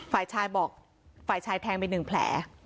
ฝ่ายชายบอกฝ่ายชายแทงไปหนึ่งแผล